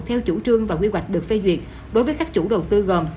theo chủ trương và quy hoạch được phê duyệt đối với các chủ đầu tư gồm